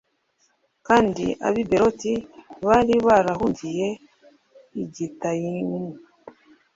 kandi ab’i Bēroti bari barahungiye i Gitayimu